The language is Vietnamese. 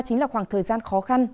chính là khoảng thời gian khó khăn